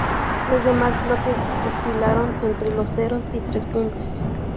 Los demás bloques oscilaron entre los cero y tres puntos.